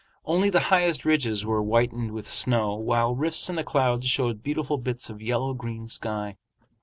Only the highest ridges were whitened with snow, while rifts in the clouds showed beautiful bits of yellow green sky.